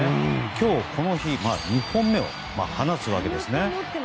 今日、この日２本目を放つわけですね。